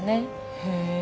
へえ。